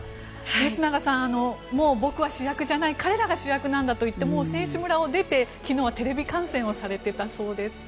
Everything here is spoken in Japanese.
吉永さん、もう僕は主役じゃない彼らが主役なんだと言って選手村を出て昨日はテレビ観戦をされていたそうです。